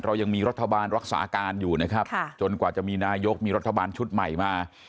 เรายังมีรัฐบาลรักษาการอยู่นะครับจนกว่าจะมีนายกมีรัฐบาลชุดใหม่มา